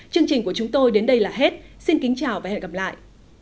chương trình của chúng tôi đến đây là hết xin kính chào và hẹn gặp lại